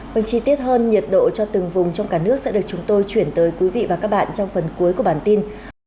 vâng chi tiết hơn nhiệt độ cho từng vùng trong cả nước sẽ được chúng tôi chuyển tới quý vị và các bạn trong phần cuối của bản tin